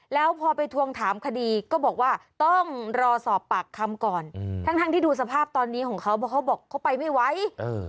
แล้วพอไปทวงถามคดีก็บอกว่าต้องรอสอบปากคำก่อนอืมทั้งทั้งที่ดูสภาพตอนนี้ของเขาเพราะเขาบอกเขาไปไม่ไหวเออ